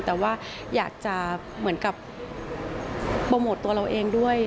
แต่ว่าอยากจะเหมือนกับโปรโมทตัวเราเองด้วย